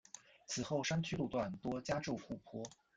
此后山区路段多加筑护坡。